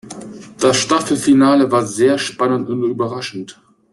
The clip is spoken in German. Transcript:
Das Staffelfinale war sehr spannend und überraschend.